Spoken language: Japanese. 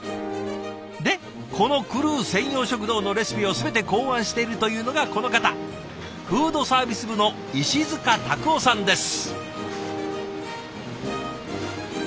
でこのクルー専用食堂のレシピを全て考案しているというのがこの方フードサービス部の石束拓夫さんです。